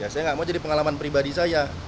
saya nggak mau jadi pengalaman pribadi saya